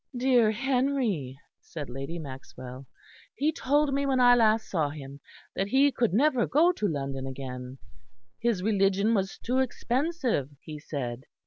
"Dear Henry," said Lady Maxwell. "He told me when I last saw him that he could never go to London again; his religion was too expensive, he said."